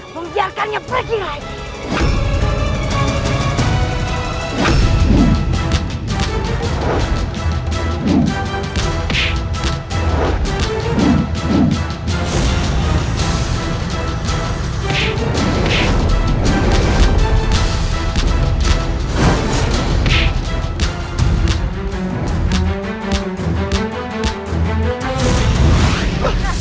membiarkannya pergi lagi